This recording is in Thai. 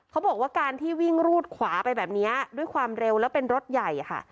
เขาบอกว่าการที่วิ่งรูดขวาไปแบบนี้ด้วยความเร็วแล้วเป็นรถใหญ่ค่ะ